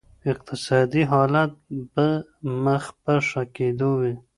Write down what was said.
اقتصادي حالت به مخ په ښه کېدو وي.